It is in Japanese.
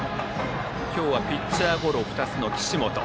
今日はピッチャーゴロ２つの岸本。